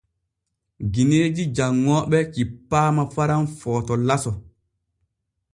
Gineeji janŋooɓe cippaama Faran Footo laso.